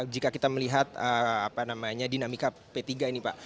jika kita melihat dinamika p tiga ini pak